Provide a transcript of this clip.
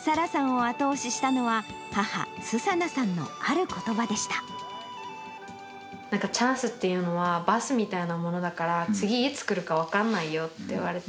沙羅さんを後押ししたのは、母、スサナさんの、あることばでチャンスっていうのは、バスみたいなものだから、次、いつ来るか分からないよって言われて。